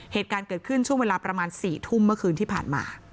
เหตุการณ์เกิดขึ้นช่วงเวลาประมาณ๔ทุ่มเมื่อคืนที่ผ่านมา